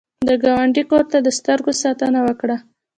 د ګاونډي کور ته د سترګو ساتنه وکړه